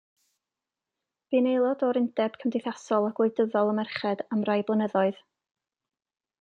Bu'n aelod o'r Undeb Cymdeithasol a Gwleidyddol y Merched am rai blynyddoedd.